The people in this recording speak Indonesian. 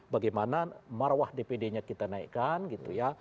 bagaimana marwah dpdnya kita naikkan gitu ya